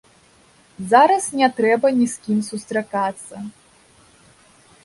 Зараз не трэба ні з кім сустракацца.